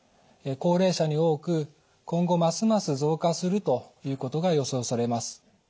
高齢者に多く今後ますます増加するということが予想されます。